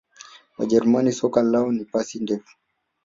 wajerumani soka lao ni pasi ndefu